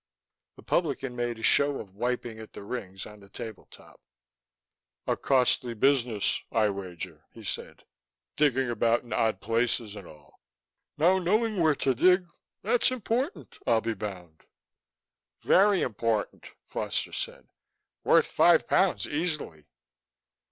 The publican made a show of wiping at the rings on the table top. "A costly business, I wager," he said. "Digging about in odd places and all. Now, knowing where to dig; that's important, I'll be bound." "Very important," Foster said. "Worth five pounds, easily."